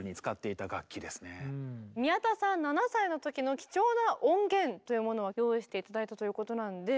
宮田さん７歳の時の貴重な音源というものを用意して頂いたということなんで。